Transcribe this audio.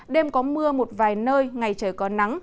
đêm có mưa một vài nơi ngày trời có nắng